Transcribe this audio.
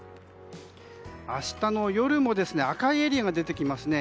明日の夜も赤いエリアが出てきますね。